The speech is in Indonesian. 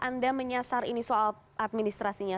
anda menyasar ini soal administrasinya